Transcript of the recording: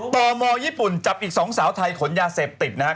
ตมญี่ปุ่นจับอีก๒สาวไทยขนยาเสพติดนะครับ